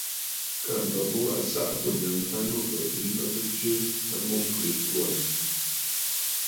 Kaa mbə bɨ waꞌǎ ɨsaꞌa tsɨ̂tsɔ̀ŋ bû ǹnɨŋ a nu bə̀ bìi mə bɨ tswe a mum Kristo Yesu aà.